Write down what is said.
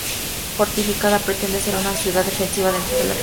Fortificada, pretende ser una ciudad defensiva dentro de la República de Venecia.